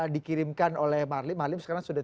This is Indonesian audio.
dikirimkan oleh marlim marlim sekarang sudah